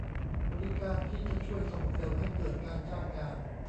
บริการที่จะช่วยส่งเสริมให้เกิดการจ้างงาน